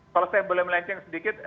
kalau saya boleh melenceng sedikit